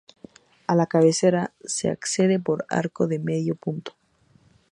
A la cabecera se accede por arco de medio punto.